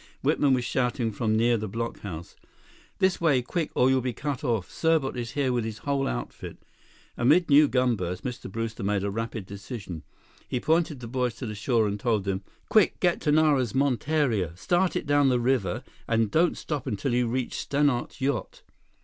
Whitman was shouting from near the blockhouse: "This way! Quick, or you'll be cut off! Serbot is here with his whole outfit!" Amid new gunbursts, Mr. Brewster made a rapid decision. He pointed the boys to the shore and told them: "Quick! Get to Nara's monteria. Start it down the river, and don't stop until you reach Stannart's yacht!"